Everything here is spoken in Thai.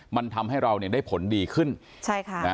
มันทำให้เราได้ผลดีขึ้นใช่ค่ะ